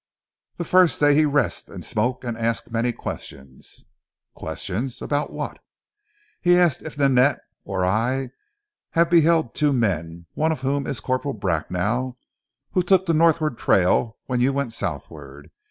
"The first day he rest and smoke and ask many questions." "Questions? About what?" "He asked if Nanette or I have beheld two men, one of whom is Corporal Bracknell, who took the Northward trail when you went southward.